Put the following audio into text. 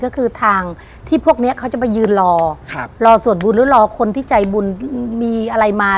ก็คือทางที่พวกนี้เขาจะไปยืนรอรอสวดบุญหรือรอคนที่ใจบุญมีอะไรมา